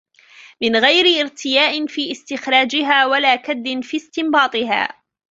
مِنْ غَيْرِ ارْتِيَاءٍ فِي اسْتِخْرَاجِهَا وَلَا كَدٍّ فِي اسْتِنْبَاطِهَا